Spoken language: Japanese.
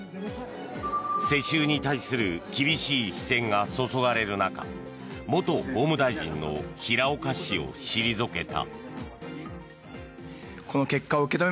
世襲に対する厳しい視線が注がれる中元法務大臣の平岡氏を退けた。